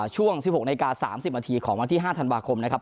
ช่วง๑๖นาที๓๐นาทีของวันที่๕ธันวาคมนะครับ